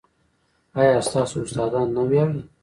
ایا ستاسو استادان نه ویاړي؟